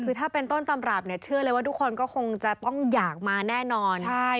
คือถ้าเป็นต้นตำรับเนี่ยเชื่อเลยว่าทุกคนก็คงจะต้องอยากมาแน่นอน